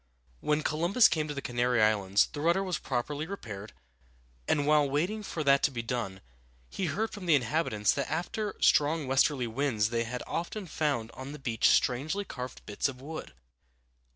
When Columbus came to the Canary Islands the rudder was properly repaired, and while waiting for that to be done, he heard from the inhabitants that after strong westerly winds they had often found on the beach strangely carved bits of wood.